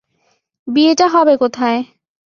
বিয়েটা হবে কোথায়?